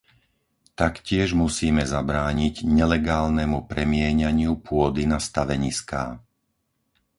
Taktiež musíme zabrániť nelegálnemu premieňaniu pôdy na staveniská.